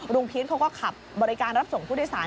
พีชเขาก็ขับบริการรับส่งผู้โดยสาร